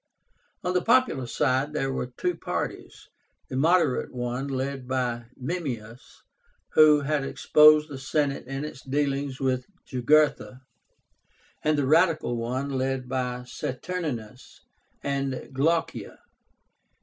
On the popular side there were two parties, the moderate one, led by MEMMIUS, who had exposed the Senate in its dealings with Jugurtha, and the radical one, led by Saturnínus and Glaucia.